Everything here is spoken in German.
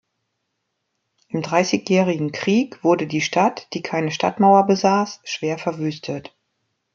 Im Dreißigjährigen Krieg wurde die Stadt, die keine Stadtmauer besaß, schwer verwüstet.